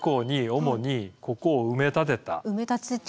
埋め立て地